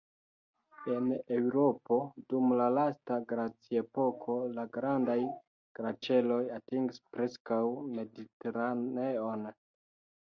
En Eŭropo dum la lasta glaciepoko la grandaj glaĉeroj atingis preskaŭ Mediteraneon.